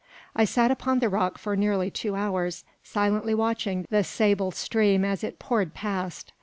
I sat upon the rock for nearly two hours, silently watching the sable stream as it poured past.